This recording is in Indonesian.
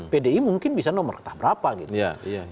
pdi mungkin bisa nomor entah berapa gitu